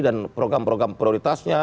dan program program prioritasnya